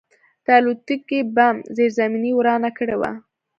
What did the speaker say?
د الوتکې بم زیرزمیني ورانه کړې وه